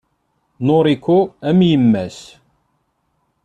Noriko am yemma-s.